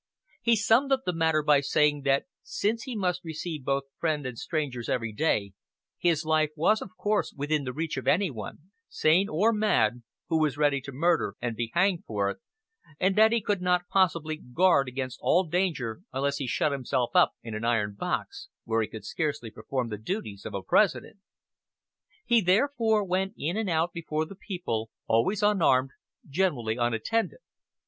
He summed up the matter by saying that since he must receive both friends and strangers every day, his life was of course within the reach of any one, sane or mad, who was ready to murder and be hanged for it, and that he could not possibly guard against all danger unless he shut himself up in an iron box, where he could scarcely perform the duties of a President. He therefore went in and out before the people, always unarmed, generally unattended.